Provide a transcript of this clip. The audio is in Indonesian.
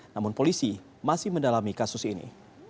namun polisi masih mendalami kasus ini